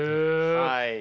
はい。